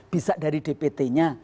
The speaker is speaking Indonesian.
bisa dari dpt nya